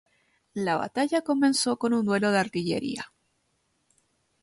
La batalla comenzó con un duelo de artillería.